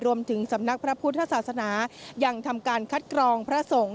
สำนักพระพุทธศาสนายังทำการคัดกรองพระสงฆ์